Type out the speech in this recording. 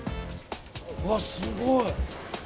うわ、すごい。